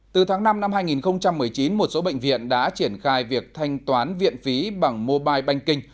từ tháng năm năm hai nghìn một mươi chín một số bệnh viện đã triển khai việc thanh toán viện phí bằng mobile banking